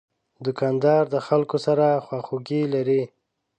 دوکاندار د خلکو سره خواخوږي لري.